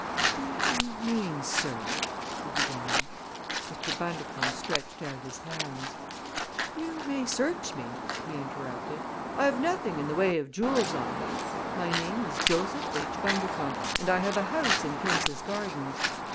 "Do you mean, sir " he began. Mr. Bundercombe stretched out his hands. "You may search me!" he interrupted. "I have nothing in the way of jewels on me. My name is Joseph H. Bundercombe and I have a house in Prince's Gardens.